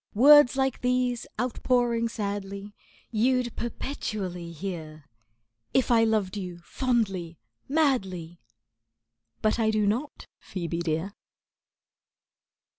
Words like these, outpouring sadly, You'd perpetually hear, If I loved you fondly, madly; But I do not, Ph[oe]be dear.